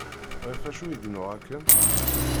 Ɣef acu i yennuɣ akken?